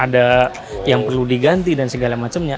ada yang perlu diganti dan segala macamnya